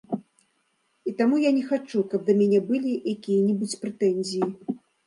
І таму я не хачу, каб да мяне былі якія-небудзь прэтэнзіі.